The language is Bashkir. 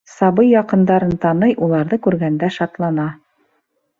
Сабый яҡындарын таный, уларҙы күргәндә шатлана.